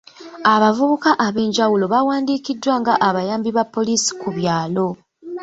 Abavubuka ab'enjawulo bawandiikiddwa nga abayambi ba poliisi ku byalo.